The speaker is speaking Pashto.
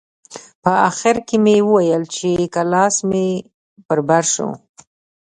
په اخر کښې مې وويل چې که لاس مې پر بر سو.